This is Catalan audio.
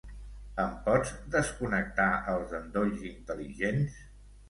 Em pots desconnectar els endolls intel·ligents?